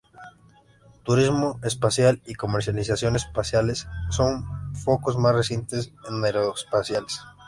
Turismo espacial y comercialización espaciales son focos más recientes en aeroespaciales.